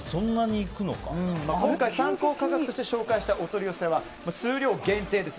今回、参考価格として紹介したお取り寄せは数量限定です。